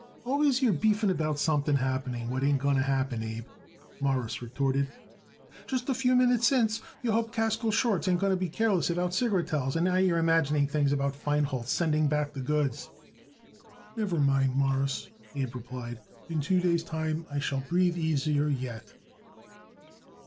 "Always you're beefing about something happening what ain't going to happen, Abe," Morris retorted. "Just a few minutes since you hoped Kaskel Schwartz ain't going to be careless about cigarettels, and now you're imagining things about Feinholz sending back the goods." "Never mind, Mawruss," Abe replied; "in two days' time I shall breathe easier yet."